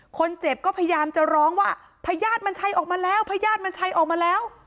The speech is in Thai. คนเจ็บก็พยายามจะร้องว่าพญาติมันชัยออกมาแล้วพญาติมันชัยออกมาแล้ว